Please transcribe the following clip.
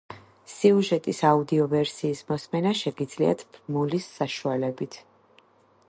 სიუჟეტის აუდიო ვერსიის მოსმენა შეგიძლიათ ბმულის საშუალებით.